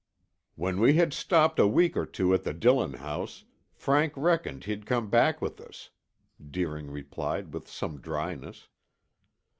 "When we had stopped a week or two at the Dillon house, Frank reckoned he'd come back with us," Deering replied with some dryness.